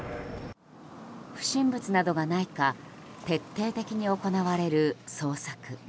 不審物などがないか徹底的に行われる捜索。